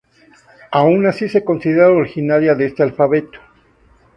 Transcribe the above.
Aun así se considera originaria de este alfabeto.